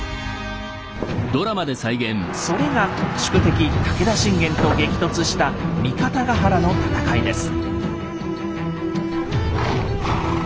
それが宿敵・武田信玄と激突した三方ヶ原の戦いです。